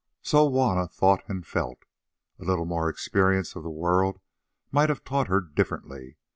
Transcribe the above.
So Juanna thought and felt. A little more experience of the world might have taught her differently.